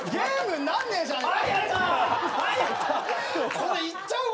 これ言っちゃうわ！